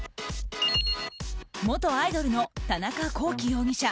元アイドルの田中聖容疑者。